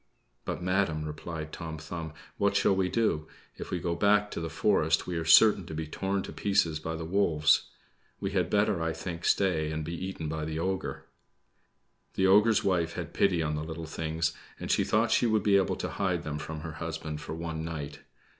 "But, madam," replied Tom Thumb, "what shall we do? If we go back to the forest we are certain to be torn to pieces by the wolves. We had better, I think, stay and be eaten by the ogre." The ogre's wife had pity on the little things, and she thought she would be able to hide them from her husband for one night.